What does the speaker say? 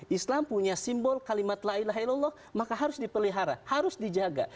islam punya simbol kalimat la ilaha ilallah maka harus dipelihara harus dijaga